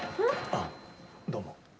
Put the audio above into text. あ、どうも。